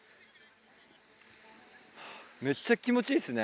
めっちゃ気持ちいいっすね。